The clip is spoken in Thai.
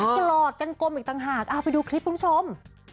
กลอดกันกลมอีกต่างหากเอาไปดูคลิปคุณผู้ชม